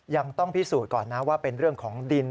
ยังต้องพิสูจน์ก่อนนะว่าเป็นเรื่องของดิน